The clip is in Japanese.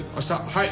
はい。